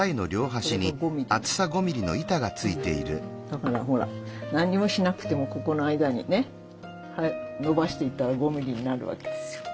だからほら何にもしなくてもここの間にねのばしていったら５ｍｍになるわけですよ